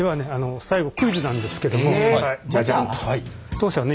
当社はね